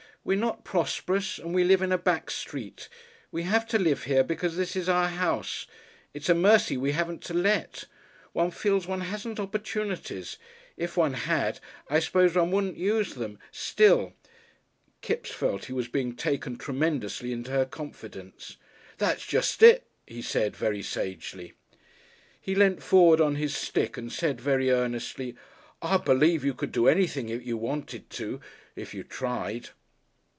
We're not prosperous, and we live in a back street. We have to live here because this is our house. It's a mercy we haven't to 'let.' One feels one hasn't opportunities. If one had, I suppose one wouldn't use them. Still " Kipps felt he was being taken tremendously into her confidence. "That's jest it," he said, very sagely. He leant forward on his stick and said, very earnestly, "I believe you could do anything you wanted to, if you tried."